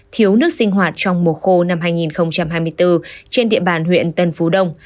thiếu nước sinh hoạt trong mùa khô năm hai nghìn hai mươi bốn trên địa bàn huyện tân phú đông